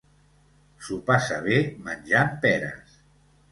S'ho passà bé menjant peres.